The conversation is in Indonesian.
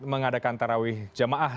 mengadakan tarawih jamaah